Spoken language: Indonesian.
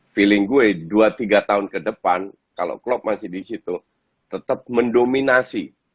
feeling gue dua tiga tahun ke depan kalau klop masih di situ tetap mendominasi